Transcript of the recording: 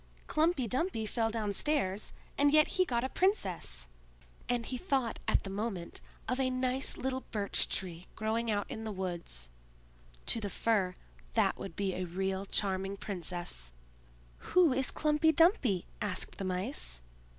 Humpy Dumpy fell downstairs, and yet he got a princess!" and he thought at the moment of a nice little Birch tree growing out in the woods; to the Fir, that would be a real charming princess. "Who is Klumpy Dumpy?" asked the Mice.